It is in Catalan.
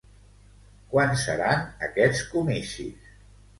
Quan seran aquests comicis?